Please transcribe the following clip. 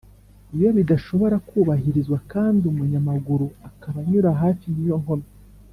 Iyo bidashobora kubahirizwa kandi umunyamaguru akaba anyura hafi y’ iyo nkomyi